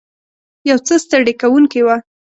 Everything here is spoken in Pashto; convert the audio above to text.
یو څه ستړې کوونکې وه.